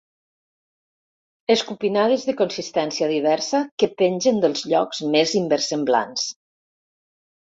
Escopinades de consistència diversa que pengen dels llocs més inversemblants.